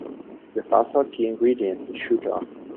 It is also a key ingredient in shuto.